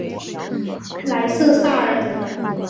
莱瑟萨尔德。